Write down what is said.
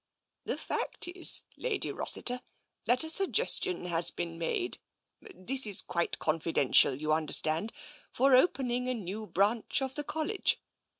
" The fact is. Lady Rossiter, that a suggestion has been made — this is quite confidential, you understand — for opening a new branch of the College.